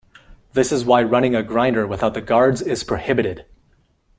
This is why running a grinder without the guards is prohibited.